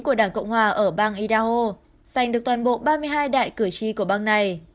của đảng cộng hòa ở bang idaho giành được toàn bộ ba mươi hai đại cử tri của bang này